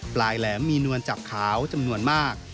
ปลายแหลมมีนวลจับขาวจำนวนมาก